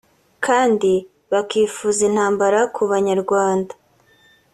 kandi bakifuza intambara kubanyarwanda